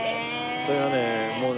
それがねもうね。